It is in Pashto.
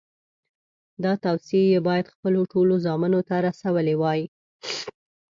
دا توصیې یې باید خپلو ټولو زامنو ته رسولې وای.